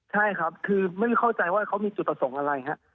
ใช่ครับคือไม่ได้เข้าใจว่าเขามีจุดประสงค์อะไรครับ